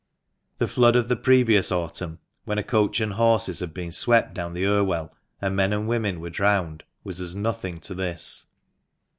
The flood of the previous Autumn, when a coach and horses had been swept down the Irwell, and men and women were drowned, was as nothing to this.